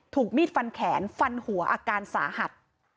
ถูกมีดฟันแขนฟันหัวอาการสาหัส